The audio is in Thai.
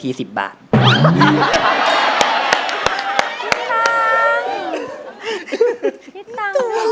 พี่นาง